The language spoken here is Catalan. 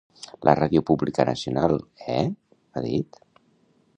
La ràdio pública nacional, eh?, ha dit.